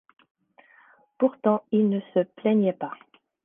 Pourtant, il ne se plaignait pas.